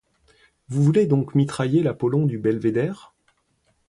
Vous voulez donc mitrailler l'Apollon du Belvédère?